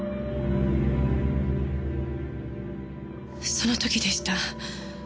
その時でした。